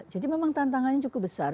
memang tantangannya cukup besar